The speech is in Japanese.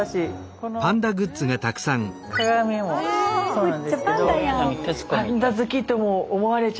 この鏡もそうなんですけど。